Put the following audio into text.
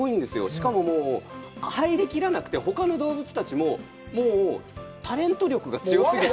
しかも、入り切らなくて、ほかの動物たちももうタレント力が強すぎて。